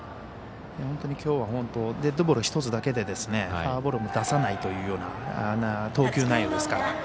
本当にきょうはデッドボール１つだけでフォアボールも出さないというような投球内容ですから。